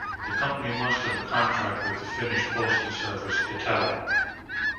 The company must have a contract with the Finnish postal service Itella.